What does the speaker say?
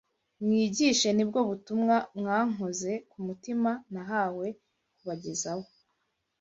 Mwigishe ni bwo butumwa bwankoze ku mutima nahawe kubagezaho.